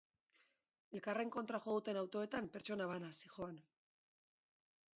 Elkarren kontra jo duten autoetan pertsona bana zihoan.